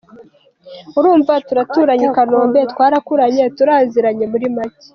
Urumva turaturanye i Kanombe, twarakuranye, turaziranye muri make.